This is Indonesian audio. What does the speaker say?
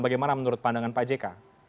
bagaimana menurut pandangan pak jk